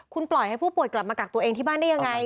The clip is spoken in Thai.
คุณปล่อยให้ผู้ป่วยกลับมากักตัวเองที่บ้านได้ยังไง